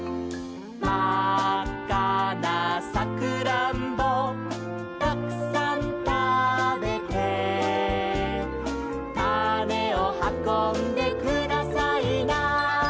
「まっかなサクランボたくさんたべて」「たねをはこんでくださいな」